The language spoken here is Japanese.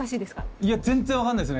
いや全然分かんないっすね。